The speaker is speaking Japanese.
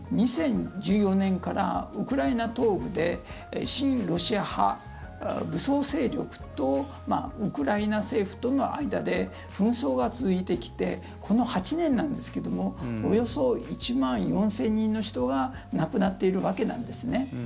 ２０１４年からウクライナ東部で親ロシア派武装勢力とウクライナ政府との間で紛争が続いてきてこの８年なんですけどもおよそ１万４０００人の人が亡くなっているわけなんですね。